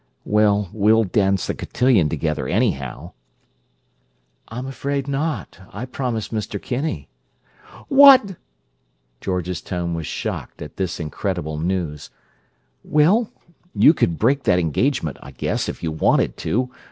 "Well, we'll dance the cotillion together, anyhow." "I'm afraid not. I promised Mr. Kinney." "What!" George's tone was shocked, as at incredible news. "Well, you could break that engagement, I guess, if you wanted to!